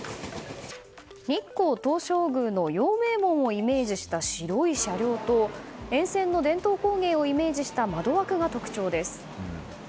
日光東照宮の陽明門をイメージした白い車両と、沿線の伝統工芸をイメージした窓枠が特徴です。